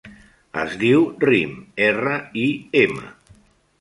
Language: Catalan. Es diu Rim: erra, i, ema.